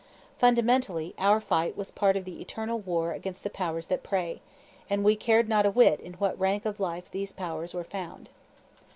Fundamentally, our fight was part of the eternal war against the Powers that Prey; and we cared not a whit in what rank of life these powers were found.